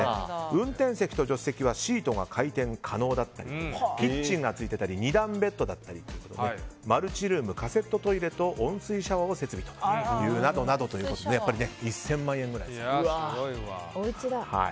運転席と助手席はシートが回転可能だったりキッチンがついていたり２段ベッドだったりマルチルーム、カセットトイレと温水シャワーを設備などなどということで１０００万円ぐらいする。